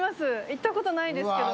行ったことないですけど。